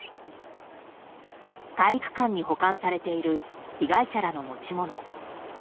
体育館に保管されている被害者らの持ち物。